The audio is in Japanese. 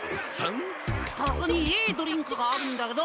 ここにいいドリンクがあるんだけど！